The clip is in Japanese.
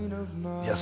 いや